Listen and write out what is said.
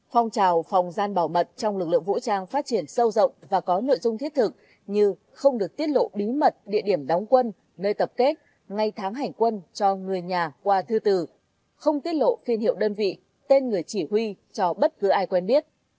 phòng trào phòng gian bảo mật trong lực lượng vũ trang phát triển sâu rộng và có nội dung thiết thực như không được tiết lộ bí mật địa điểm đóng quân nơi tập kết ngay tháng hành quân cho người nhà qua thư tử không tiết lộ phiên hiệu đơn vị tên người chỉ huy cho bất cứ ai quen biết